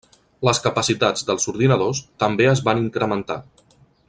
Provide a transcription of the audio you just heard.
Les capacitats dels ordinadors també es van incrementar.